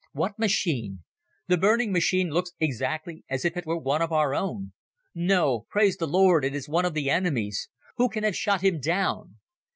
What machine? The burning machine looks exactly as if it were one of our own. No! Praise the Lord, it is one of the enemy's! Who can have shot him down?